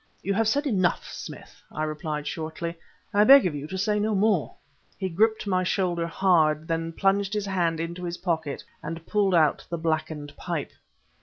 "You have said enough, Smith," I replied shortly. "I beg of you to say no more." He gripped my shoulder hard, then plunged his hand into his pocket and pulled out the blackened pipe.